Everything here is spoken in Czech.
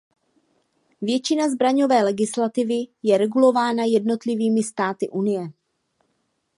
Většina zbraňové legislativy je regulována jednotlivými státy unie.